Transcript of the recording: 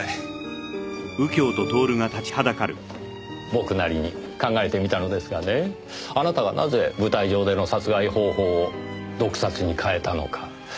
僕なりに考えてみたのですがねぇあなたがなぜ舞台上での殺害方法を毒殺に変えたのか。